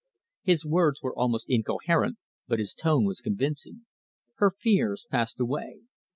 His words were almost incoherent, but his tone was convincing. Her fears passed away.